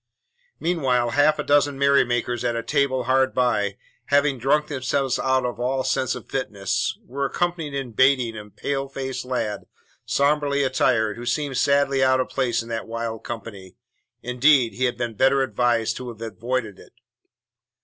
Meanwhile half a dozen merry makers at a table hard by, having drunk themselves out of all sense of fitness, were occupied in baiting a pale faced lad, sombrely attired, who seemed sadly out of place in that wild company indeed, he had been better advised to have avoided it.